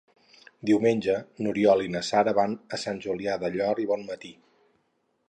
Diumenge n'Oriol i na Sara van a Sant Julià del Llor i Bonmatí.